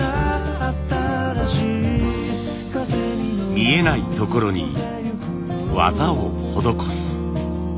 見えないところに技を施す。